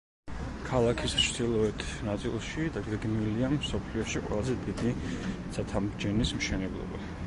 ქალაქის ჩრდილოეთ ნაწილში დაგეგმილია მსოფლიოში ყველაზე დიდი ცათამბჯენის მშენებლობა.